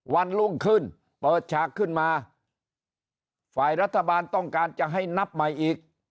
วันรุ่งขึ้นเปิดฉากขึ้นมาฝ่ายรัฐบาลต้องการจะให้นับใหม่อีก